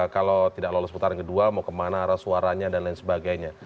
kalau tidak lolos putaran kedua mau kemana arah suaranya dan lain sebagainya